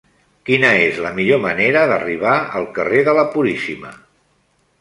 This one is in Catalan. Quina és la millor manera d'arribar al carrer de la Puríssima?